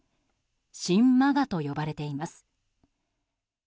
新ＭＡＧＡと呼ばれています。